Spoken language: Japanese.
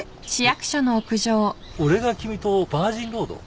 俺が君とバージンロード？